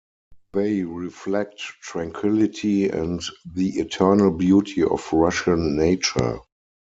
They reflect tranquility and the eternal beauty of Russian nature.